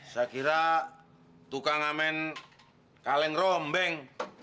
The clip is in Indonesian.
saya kira tukang ngamen kaleng rombeng